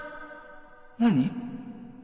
何？